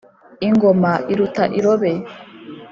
Ingoma iruta irobe